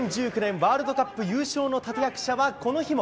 ワールドカップ優勝の立て役者はこの日も。